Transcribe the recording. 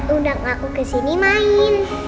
udah ngaku kesini main